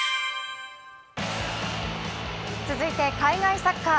続いて海外サッカー。